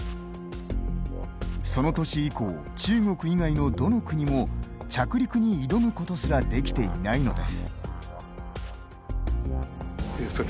その年以降、中国以外のどの国も着陸に挑むことすらできていないのです。